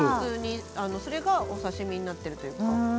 それがお刺身になっているというか。